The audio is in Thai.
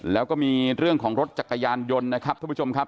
แล้วก็มีเรื่องของรถจักรยานยนต์นะครับทุกผู้ชมครับ